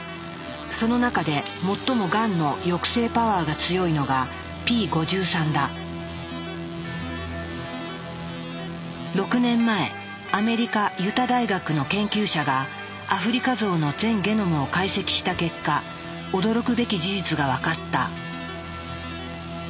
その中で最もがんの抑制パワーが強いのが６年前アメリカ・ユタ大学の研究者がアフリカゾウの全ゲノムを解析した結果驚くべき事実が分かった。